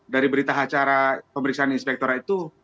dari berita acara pemeriksaan inspektorat itu